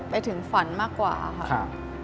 ไปถึงฝันมากกว่าค่ะ